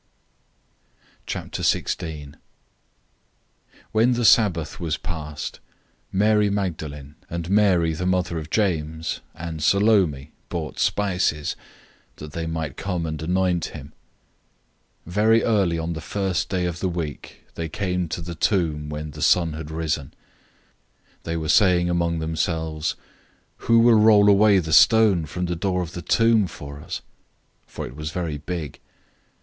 016:001 When the Sabbath was past, Mary Magdalene, and Mary the mother of James, and Salome, bought spices, that they might come and anoint him. 016:002 Very early on the first day of the week, they came to the tomb when the sun had risen. 016:003 They were saying among themselves, "Who will roll away the stone from the door of the tomb for us?" 016:004 for it was very big.